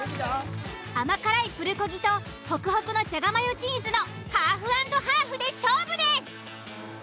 甘辛いプルコギとほくほくのじゃがマヨチーズのハーフ＆ハーフで勝負です。